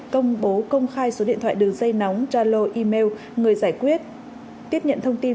công bố công khai số điện thoại đường dây nóng zalo email người giải quyết tiếp nhận thông tin